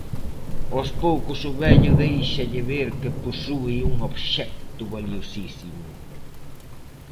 Aos poucos o vello deixalle ver que posúe un obxecto valiosísimo.